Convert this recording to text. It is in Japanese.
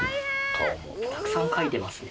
たくさんかいてますね。